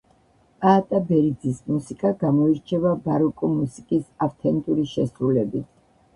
პაატა ბერიძის მუსიკა გამოირჩევა ბაროკო მუსიკის ავთენტური შესრულებით.